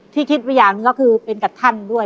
คิดไปอย่างหนึ่งก็คือเป็นกับท่านด้วย